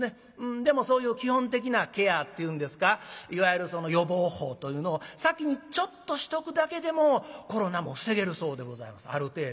でもそういう基本的なケアっていうんですかいわゆる予防法というのを先にちょっとしとくだけでもコロナも防げるそうでございますある程度。